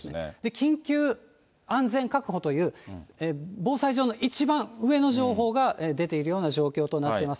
緊急安全確保という、防災上の一番上の出ているような状況となっています。